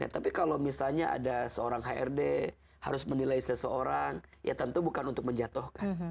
tapi kalau misalnya ada seorang hrd harus menilai seseorang ya tentu bukan untuk menjatuhkan